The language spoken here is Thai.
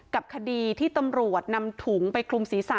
กับคดีที่นำนามถุงไปกลุ่มศีรษะ